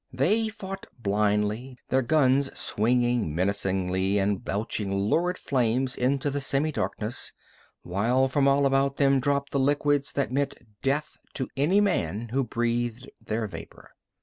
They fought blindly, their guns swinging menacingly and belching lurid flames into the semi darkness, while from all about them dropped the liquids that meant death to any man who breathed their vapor.